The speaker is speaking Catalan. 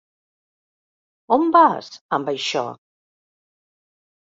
On vas, amb això?